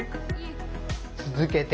続けて。